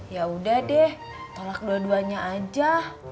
yaudah deh tolak dua duanya aja